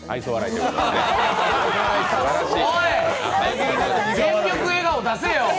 おい、全力笑顔出せよ！